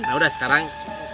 nah udah sekarang